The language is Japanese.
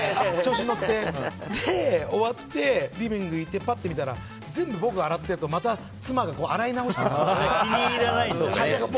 終わって、リビングに行ってパッと見たら全部、僕が洗ったやつを妻が洗い直してたんです。